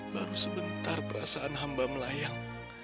baru sebentar perasaan hamba melayang